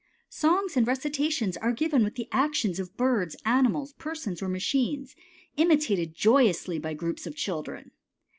Songs and recitations are given with the actions of birds, animals, persons, or machines, imitated joyously by groups of children.